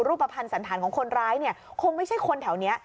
รูปภัณฑ์สันธารของคนร้ายเนี่ยคงไม่ใช่คนแถวนี้